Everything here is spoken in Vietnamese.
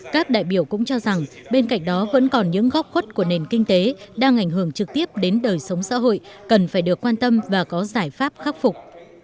các đại biểu cũng cho rằng bên cạnh đó vẫn còn những góc khuất của nền kinh tế đang ảnh hưởng trực tiếp đến đời sống xã hội cần phải được quan tâm và có giải pháp khắc phục